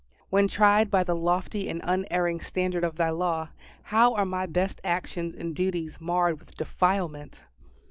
When tried by the lofty and unerring standard of Thy law, how are my best actions and duties marred with defilement!